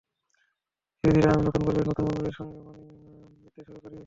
ধীরে ধীরে আমি নতুন পরিবেশ, নতুন বন্ধুদের সঙ্গে মানিয়ে নিতে শুরু করি।